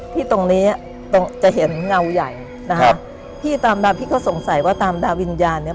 ตรงนี้ตรงจะเห็นเงาใหญ่นะคะพี่ตามดาพี่ก็สงสัยว่าตามดาววิญญาณเนี้ย